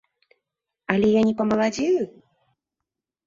Але я не памаладзею?